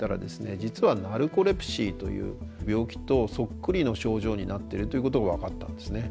実はナルコレプシーという病気とそっくりの症状になってるということが分かったんですね。